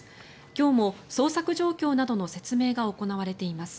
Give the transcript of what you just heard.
今日も捜索状況などの説明が行われています。